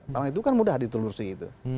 karena itu kan mudah ditelusuri itu